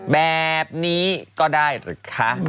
แบบนี้ก็ได้เลยค่ะ